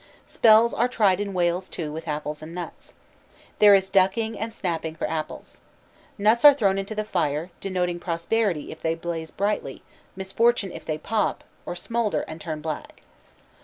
Spells are tried in Wales too with apples and nuts. There is ducking and snapping for apples. Nuts are thrown into the fire, denoting prosperity if they blaze brightly, misfortune if they pop, or smoulder and turn black.